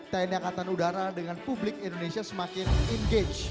tni angkatan udara dengan publik indonesia semakin engage